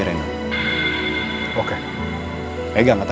kenapa ini memang rhonda